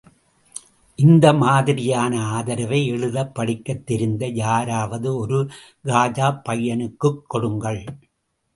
இந்த மாதிரியான ஆதரவை எழுதப் படிக்கத் தெரிந்த யாராவது ஒரு காஜாப் பையனுக்குக் கொடுங்கள்.